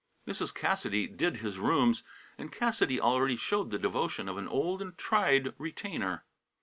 Mrs. Cassidy "did" his rooms, and Cassidy already showed the devotion of an old and tried retainer.